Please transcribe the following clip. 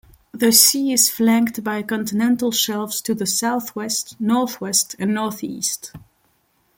The sea is flanked by continental shelves to the southwest, northwest, and northeast.